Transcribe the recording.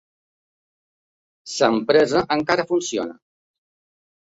L'empresa encara funciona.